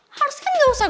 haruskan gak usah